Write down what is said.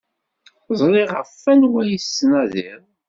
Ẓriɣ ɣef wanwa ay tettnadiḍ.